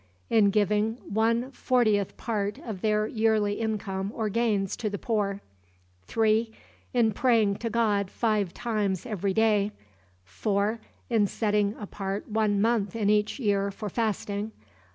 In giving one fortieth part of their yearly income or gains to the poor. 3. In praying to God five times every day. 4. In setting apart one month in each year for fasting.